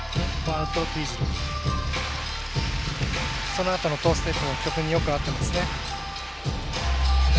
そのあとのトーステップも曲によく合ってますね。